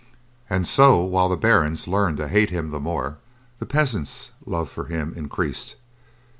And so, while the barons learned to hate him the more, the peasants' love for him increased.